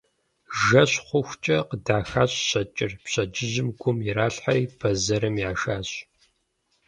Жэщ хъухукӀэ къыдахащ щэкӀыр, пщэдджыжьым гум иралъхьэри бэзэрым яшащ.